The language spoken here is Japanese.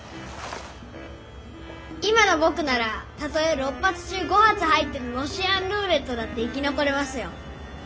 今のぼくならたとえ６発中５発入ってる「ロシアンルーレット」だって生き残れますよッ！